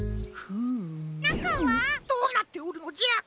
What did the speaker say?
どうなっておるのじゃ？